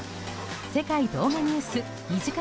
「世界動画ニュース」２時間